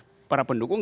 karena peserta pendukung